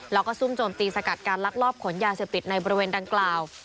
แล้วก็ซุ่มโจมตีสกัดการลักลอบขนยาเสพติดในบริเวณดังกล่าว